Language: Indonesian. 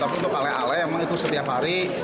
tapi untuk ala ala itu setiap hari